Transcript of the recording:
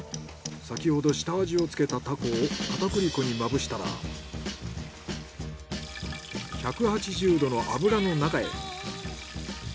先ほど下味をつけたタコを片栗粉にまぶしたら１８０℃の油の中へ。